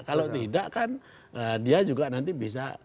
kalau tidak kan dia juga nanti bisa